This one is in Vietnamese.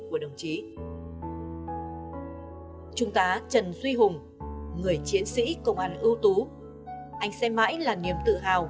của đồng chí trung tá trần duy hùng người chiến sĩ công an ưu tú anh sẽ mãi là niềm tự hào